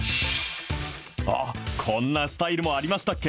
あっ、こんなスタイルもありましたっけ？